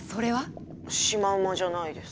シマウマじゃないです。